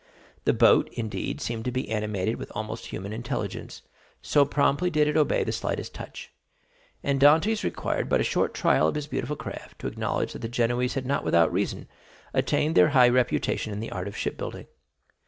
The boat, indeed, seemed to be animated with almost human intelligence, so promptly did it obey the slightest touch; and Dantès required but a short trial of his beautiful craft to acknowledge that the Genoese had not without reason attained their high reputation in the art of shipbuilding.